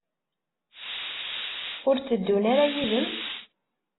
Ur tteddun ara yid-m?